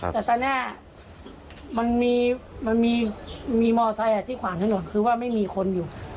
แต่ตอนนี้มันมีมอไซคที่ขวางถนนคือว่าไม่มีคนอยู่